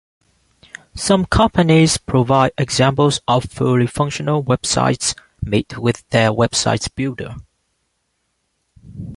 Some companies provide examples of fully functional websites made with their website builder.